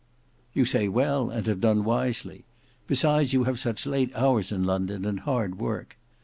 "You say well and have done wisely. Besides you have such late hours in London, and hard work.